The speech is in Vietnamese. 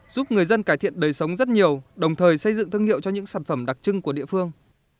giúp người dân cải thiện đời sống rất nhiều đồng thời xây dựng thương hiệu cho những sản phẩm đặc trưng của địa phương